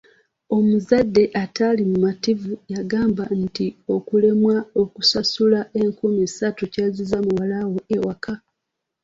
Omuzadde ataali mumativu yagamba nti okulemwa okusasula enkumi essatu kyazzisa muwala we ewaka!